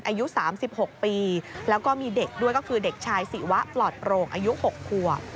อายุ๓๖ปีแล้วก็มีเด็กด้วยก็คือเด็กชายศิวะปลอดโปร่งอายุ๖ขวบ